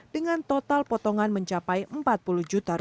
dengan total potongan mencapai rp empat puluh juta